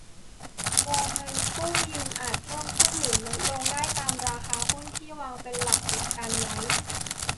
วงเงินกู้ยืมอาจเพิ่มขึ้นหรือลดลงได้ตามราคาหุ้นที่วางเป็นหลักประกันไว้